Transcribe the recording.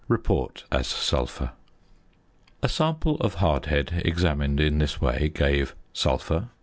Report as sulphur. A sample of hardhead examined in this way gave Sulphur 3.